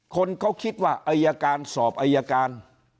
คนเขาคิดว่าอายการสอบอายการ